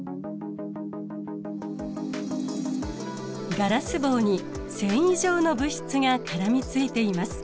ガラス棒に繊維状の物質が絡みついています。